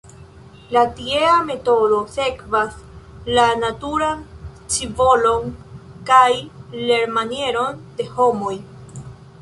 La tiea metodo sekvas la naturan scivolon kaj lernmanieron de homoj.